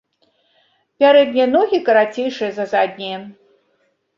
Пярэднія ногі карацейшыя за заднія.